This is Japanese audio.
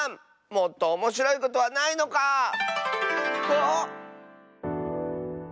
もっとおもしろいことはないのか⁉ああっ。